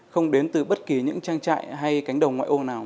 không đến từ bất kỳ những trang trại hay cánh đồng ngoại ô nào